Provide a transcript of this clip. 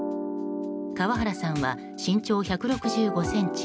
川原さんは身長１６５ｃｍ。